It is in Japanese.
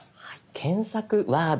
検索ワード